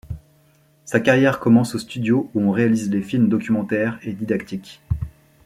Sa carrière commence aux studios où on réalise les films documentaires et didactiques.